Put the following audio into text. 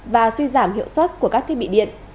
và suy giảm hiệu suất của các thiết bị điện